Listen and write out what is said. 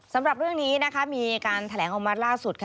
สำหรับเรื่องนี้มีการแถลงออกมาสุด